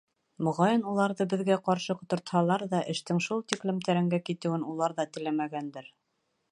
Моғайын, уларҙы беҙгә ҡаршы ҡотортһалар ҙа, эштең шул тиклем тәрәнгә китеүен улар ҙа теләмәгәндер.